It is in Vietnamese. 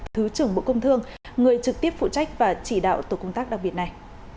thứ trưởng bộ công thương người trực tiếp phụ trách và chỉ đạo tổ công tác đặc biệt này